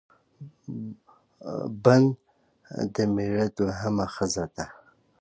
بن د مېړه دوهمه ښځه